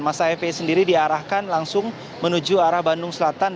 masa fpi sendiri diarahkan langsung menuju arah bandung selatan